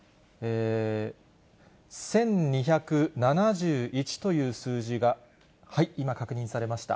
１２７１という数字が、今、確認されました。